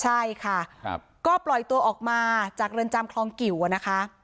ใช่ค่ะก็ปล่อยตัวออกมาจากเรือนจำคลองกิวอะนะคะ